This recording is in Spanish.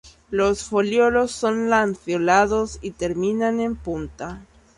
Los foliolos son lanceolados y terminan en punta.